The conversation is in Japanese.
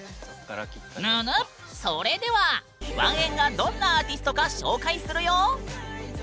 それではワンエンがどんなアーティストか紹介するよ！